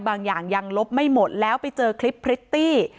บางอย่างยังลบไม่หมดแล้วไปเจอคลิปพริตตี้